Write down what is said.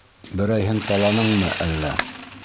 Берәйһен таланыңмы әллә?